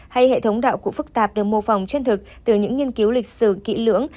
hay hệ thống đạo cụ phức tạp được mô phòng chân thực từ những nghiên cứu lịch sử kỹ lưỡng